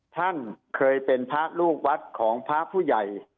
ท่านเคยเป็นพระลูกวัดของพระผู้ใหญ่